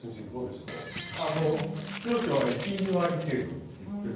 気象庁は１２割程度と言っている。